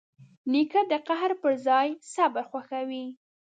نیکه د قهر پر ځای صبر خوښوي.